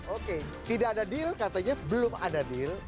oke tidak ada deal katanya belum ada deal